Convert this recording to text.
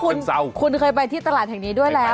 คุณเคยไปที่ตลาดแห่งนี้ด้วยแล้ว